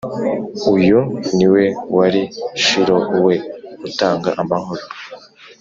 . Uyu ni We wari Shilo, We utanga amahoro